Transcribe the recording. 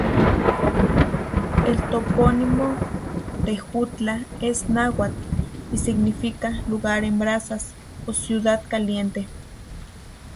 El topónimo Tejutla es náhuat, y significa: "lugar de brasas", o "Ciudad caliente".